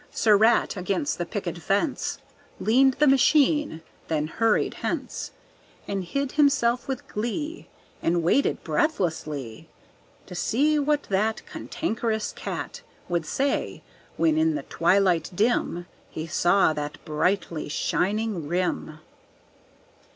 Sir Rat, against the picket fence Leaned the machine, then hurried hence, And hid himself with glee, And waited breathlessly To see what that Cantankerous cat Would say, when in the twilight dim He saw that brightly shining rim.